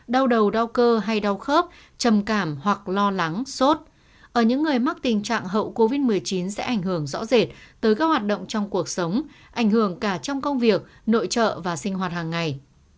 đau đầu đau cơ hay đau khớp trầm cảm hoặc lo lắng sốt ở những người mắc tình trạng hậu covid một mươi chín sẽ ảnh hưởng rõ rệt tới các hoạt động trong cuộc sống ảnh hưởng cả trong công việc nội trợ và sinh hoạt hàng ngày